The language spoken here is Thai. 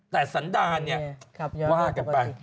แต่สันดานว่ากันไป